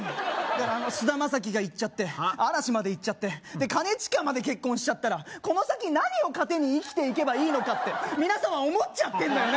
菅田将暉がいっちゃって嵐までいっちゃってで兼近まで結婚しちゃったらこの先何を糧に生きていけばいいのかって皆様思っちゃってんのよね